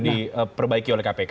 diperbaiki oleh kpk